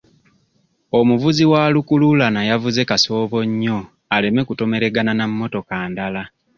Omuvuzi wa lukululana yavuze kasoobo nnyo aleme kutomeragana na mmotoka ndala.